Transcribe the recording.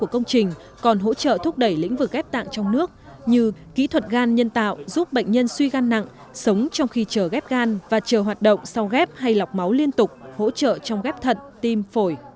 các công trình còn hỗ trợ thúc đẩy lĩnh vực ghép tạng trong nước như kỹ thuật gan nhân tạo giúp bệnh nhân suy gan nặng sống trong khi chờ ghép gan và chờ hoạt động sau ghép hay lọc máu liên tục hỗ trợ trong ghép thận tim phổi